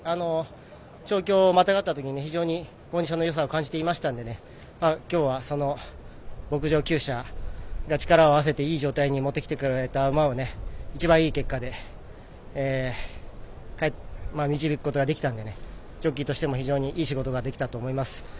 調教、またがったとき非常にポジションのよさを感じていましたのできゅう舎がコンディションよくもってきてくれたので一番いい結果で導くことができたのでジョッキーとしても非常にいい仕事ができたと思います。